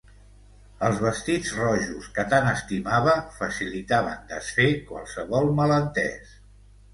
Els vestits rojos que tant estimava facilitaven desfer qualsevol malentés.